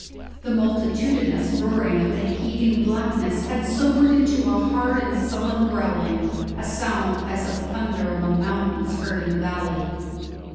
The multitudinous roaring of the heaving blackness had sobered into a hard and sullen growling, a sound as of thunder among mountains heard in a valley.